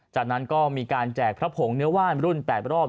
จากนั้นก็มีการแจกพระผงเนื้อว่านรุ่น๘รอบ